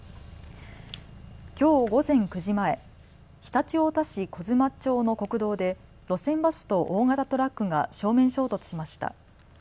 きょう午前９時前、常陸太田市小妻町の国道で路線バスと大型トラックが正面衝突しました。